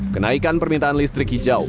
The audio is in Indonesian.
kenaikan permintaan listrik hijau